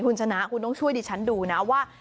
คุณชนะคุณต้องช่วยดิฉันดูนะว่า